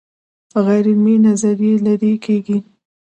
غیر عملي نظریې لرې کیږي.